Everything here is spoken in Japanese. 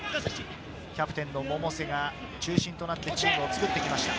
キャプテンの百瀬が中心となってチームを作ってきました。